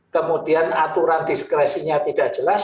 kemudian aturan diskresinya tidak jelas